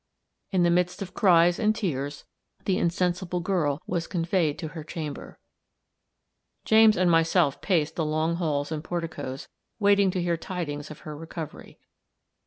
In the midst of cries and tears, the insensible girl was conveyed to her chamber. James and myself paced the long halls and porticoes, waiting to hear tidings of her recovery.